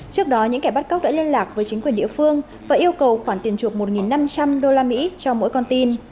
trước đó những kẻ bắt cóc đã liên lạc với chính quyền địa phương và yêu cầu khoản tiền chuộc một năm trăm linh usd cho mỗi con tin